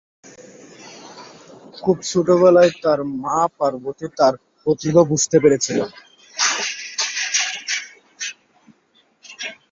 খুব ছোট বয়সেই তাঁর মা পার্বতী তাঁর প্রতিভা বুঝতে পেরেছিলেন।